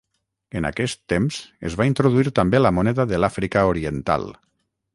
En aquest temps es va introduir també la moneda de l'Àfrica Oriental.